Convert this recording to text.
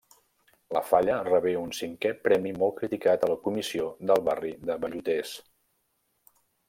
La falla rebé un cinqué premi molt criticat a la comissió del barri de Velluters.